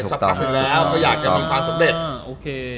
สักครั้งถึงแล้วก็อยากจะมีความสำเร็จ